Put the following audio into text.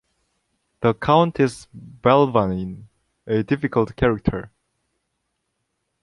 The Countess Belvane: A difficult character.